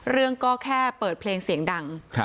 เรื่องก็แค่เปิดเพลงเสียงดัง